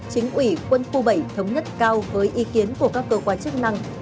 chính ủy quân khu bảy thống nhất cao với ý kiến của các cơ quan chức năng